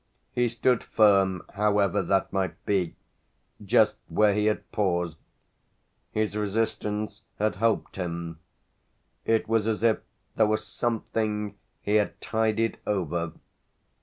He stood firm, however that might be, just where he had paused; his resistance had helped him it was as if there were something he had tided over.